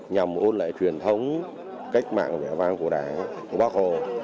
nhằm ôn lại truyền thống cách mạng vẻ vang của đảng của bác hồ